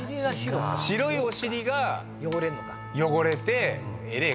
白いお尻が汚れてえれえ